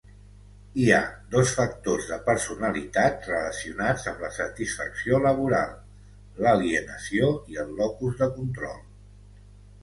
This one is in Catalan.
Hi ha dos factors de personalitat relacionats amb la satisfacció laboral: l'alienació i el locus de control.